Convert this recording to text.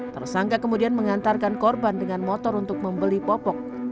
tersangka kemudian mengantarkan korban dengan motor untuk membeli popok